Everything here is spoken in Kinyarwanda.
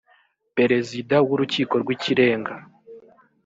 perezida w’ urukiko rw ikirenga .